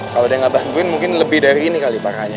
kalau dia nggak bantuin mungkin lebih dari ini kali parahnya